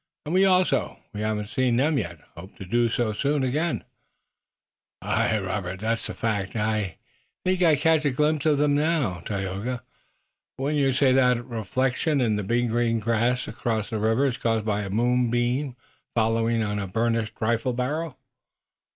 "And we also, who haven't seen them yet, hope to do so soon." "Aye, Robert, that's the fact. Ah, I think I catch a glimpse of them now. Tayoga, wouldn't you say that the reflection in the big green bush across the river is caused by a moonbeam falling on a burnished rifle barrel?"